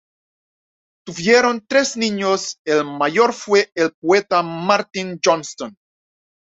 Tuvieron tres niños, el mayor fue el poeta Martin Johnston.